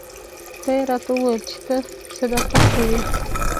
دا یې راته وویل چې ته صداقت کوې.